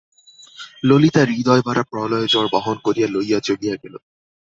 ললিতা হৃদয়-ভরা প্রলয়ঝড় বহন করিয়া লইয়া চলিয়া গেল।